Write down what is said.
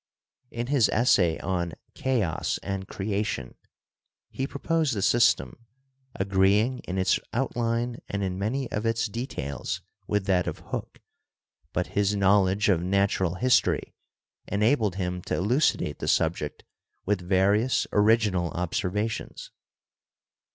In his essay on "Chaos and Creation" he proposed a system, agreeing in its outline and in many of its details with that of Hooke, but his knowledge of natural his tory enabled him to elucidate the subject with various origi nal observations.